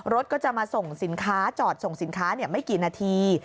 รถก็จะมาส่งสินค้าจอดส่งสินค้าไม่กี่นาที